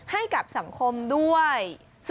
ให้กับสังคมด้วย